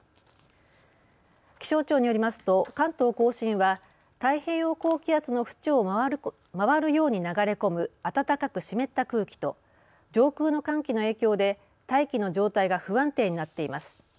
気象庁によりますと関東甲信は太平洋高気圧の縁を回るように流れ込む暖かく湿った空気と上空の寒気の影響で大気の状態が不安定になっています。